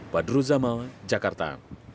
badru zama jakarta